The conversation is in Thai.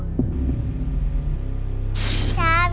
คุณยายแจ้วเลือกตอบจังหวัดนครราชสีมานะครับ